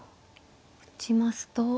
打ちますと。